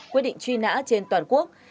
quyết định truy nã trên toàn quốc